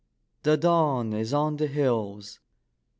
the Dawn is on the hills!